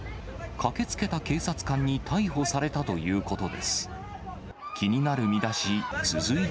駆けつけた警察官に逮捕されたということです。